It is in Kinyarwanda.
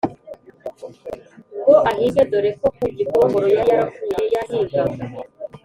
ngo ahinge dore ko ku gikongoro yari yaravuye yahingaga